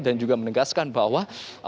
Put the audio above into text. dan juga menegaskan bahwa